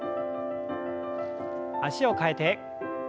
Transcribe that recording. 脚を替えて。